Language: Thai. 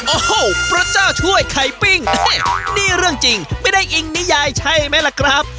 โอ้โหพระเจ้าช่วยไข่ปิ้งนี่เรื่องจริงไม่ได้อิงนิยายใช่ไหมล่ะครับ